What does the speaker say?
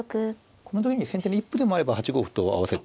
この時に先手に一歩でもあれば８五歩と合わせて。